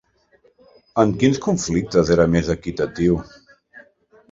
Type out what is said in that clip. En quins conflictes era més equitatiu?